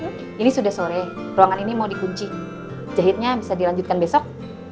oke ini sudah sore ruangan ini mau dikunci jahitnya bisa dilanjutkan besok